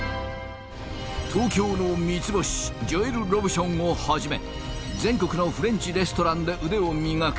東京の三つ星ジョエル・ロブションをはじめ全国のフレンチレストランで腕を磨く